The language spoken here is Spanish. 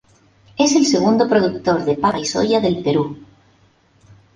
Es el segundo productor de papa y soya del Perú.